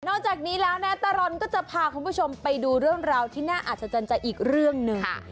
จากนี้แล้วนะตลอดก็จะพาคุณผู้ชมไปดูเรื่องราวที่น่าอัศจรรย์ใจอีกเรื่องหนึ่ง